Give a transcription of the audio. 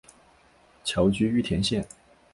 侨居玉田县。